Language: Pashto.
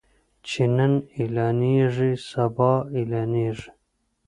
چې نن اعلانيږي سبا اعلانيږي.